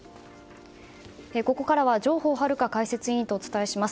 ここからは上法玄解説委員とお伝えします。